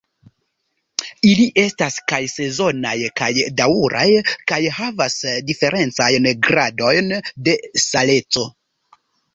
Ili estas kaj sezonaj kaj daŭraj, kaj havas diferencajn gradojn de saleco.